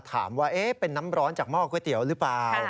ถามว่าเป็นน้ำร้อนจากหม้อก๋วยเตี๋ยวหรือเปล่า